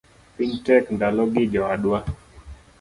Piny tek ndalogi jowadwa